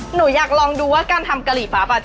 หนูอยากลองดูว่าการทำกะหรี่ปั๊บ